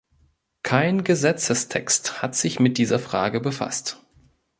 Kein Gesetzestext hat sich mit dieser Frage befasst.